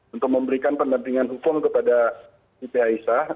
untuk memberikan pendampingan hukum kepada siti aisyah